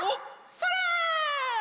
それ！